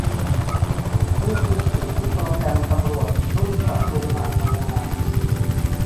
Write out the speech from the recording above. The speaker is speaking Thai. นี่คือสิ่งที่โปรแกรมตำรวจรุ่นปรับปรุงใหม่ทำงาน